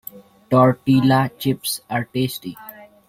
Tortilla chips are tasty.